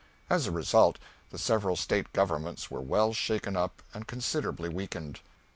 As a result, the several State governments were well shaken up and considerably weakened.